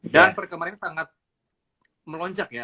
dan per kemarin sangat melonjak ya